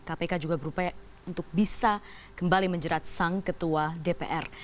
kpk juga berupaya untuk bisa kembali menjerat sang ketua dpr